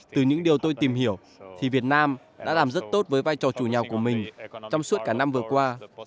từ những điều tôi tìm hiểu thì việt nam đã làm rất tốt với vai trò chủ nhà của mình trong suốt cả năm vừa qua